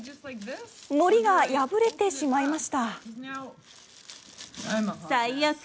のりが破れてしまいました。